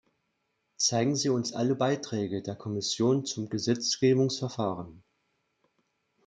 Zeigen Sie uns alle Beiträge der Kommission zum Gesetzgebungsverfahren!